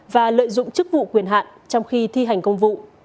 và lợi dụng chức vụ quyền hạn trong khi thi hành công vụ